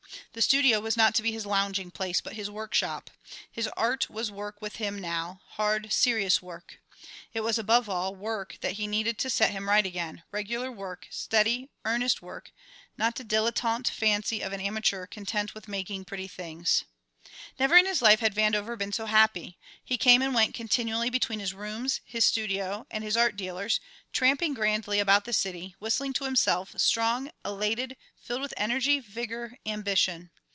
The studio was not to be his lounging place, but his workshop. His art was work with him now, hard, serious work. It was above all work that he needed to set him right again, regular work, steady, earnest work, not the dilettante fancy of an amateur content with making pretty things. Never in his life had Vandover been so happy. He came and went continually between his rooms, his studio, and his art dealers, tramping grandly about the city, whistling to himself, strong, elated, filled with energy, vigour, ambition.